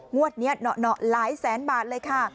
งวดนี้เหนาะหลายแสนบาทเลยค่ะ